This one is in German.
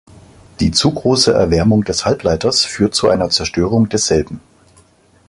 Die zu große Erwärmung des Halbleiters führt zu einer Zerstörung desselben.